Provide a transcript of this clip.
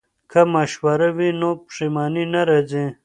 که مشوره وي نو پښیماني نه راځي.